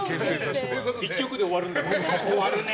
１曲で終わるだろうね。